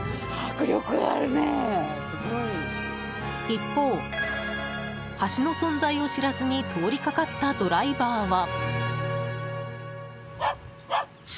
一方、橋の存在を知らずに通りかかったドライバーは。